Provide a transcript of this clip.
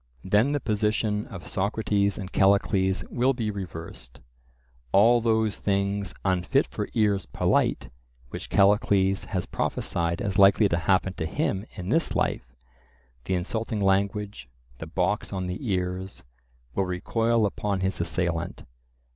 Then the position of Socrates and Callicles will be reversed; all those things "unfit for ears polite" which Callicles has prophesied as likely to happen to him in this life, the insulting language, the box on the ears, will recoil upon his assailant.